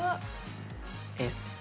エースで。